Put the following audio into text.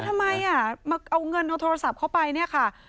ทำไมมาเอาเงินเอาโทรศัพท์เข้าไปเนี่ยค่ะ